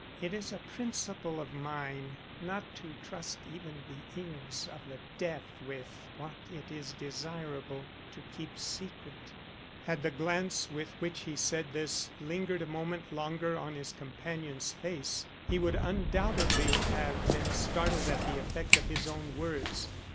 It is a principle of mine not to trust even the ears of the deaf with what it is desirable to keep secret." Had the glance with which he said this lingered a moment longer on his companion's face, he would undoubtedly have been startled at the effect of his own words.